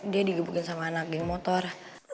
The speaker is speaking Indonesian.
dia digebukin sama anak geng motor